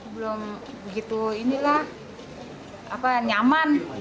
belum begitu inilah nyaman